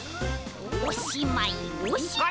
おしまいおしま。